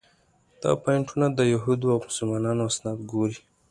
دا پواینټونه د یهودو او مسلمانانو اسناد ګوري.